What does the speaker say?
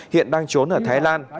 hiện đang trốn ở thái lan